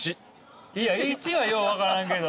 いや「１」はよう分からんけど。